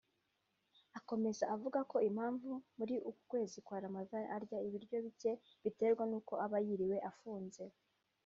Akomeza avuga ko impamvu muri uku kwezi kwa Ramadhan arya ibiryo bike biterwa n’uko aba yiriwe afunze